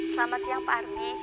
selamat siang pak ardi